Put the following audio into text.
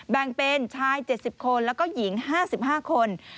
แบ่งเป็นชายเจ็ดสิบคนแล้วก็หญิงห้าสิบห้าคน